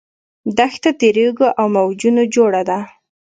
دښته د ریګو له موجونو جوړه ده.